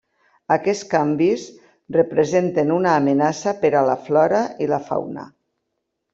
Aquests canvis representen una amenaça per a la flora i la fauna.